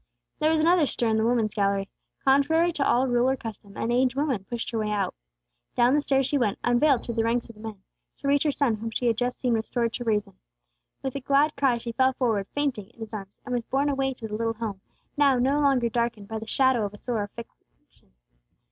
There was another stir in the woman's gallery. Contrary to all rule or custom, an aged woman pushed her way out. Down the stairs she went, unveiled through the ranks of the men, to reach her son whom she had just seen restored to reason. With a glad cry she fell forward, fainting, in his arms, and was borne away to the little home, now no longer darkened by the shadow of a sore affliction.